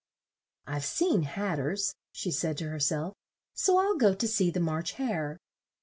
"I've seen Hat ters," she said to her self; "so I'll go to see the March Hare."